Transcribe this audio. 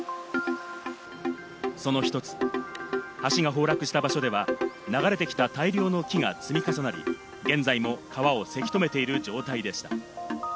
その一つ、橋が崩落した場所では流れてきた大量の木が積み重なり、現在も川をせき止めている状態でした。